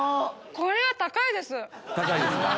これは高いです！